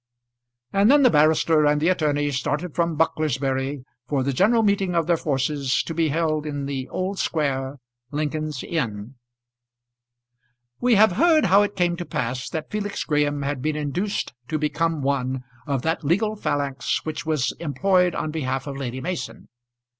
And then the barrister and the attorney started from Bucklersbury for the general meeting of their forces to be held in the Old Square, Lincoln's Inn. We have heard how it came to pass that Felix Graham had been induced to become one of that legal phalanx which was employed on behalf of Lady Mason.